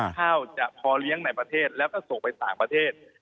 ข้าวจะพอเลี้ยงในประเทศแล้วก็ส่งไปต่างประเทศ